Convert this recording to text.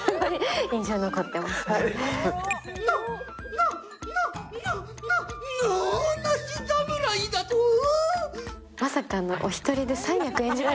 な、ななな、能なし侍だとぉ！？